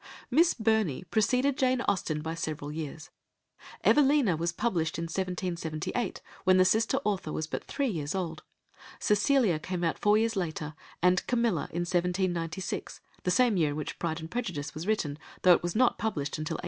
Miss Burney preceded Jane Austen by several years; Evelina was published in 1778, when the sister author was but three years old; Cecilia came out four years later, and Camilla in 1796, the same year in which Pride and Prejudice was written, though it was not published until 1813.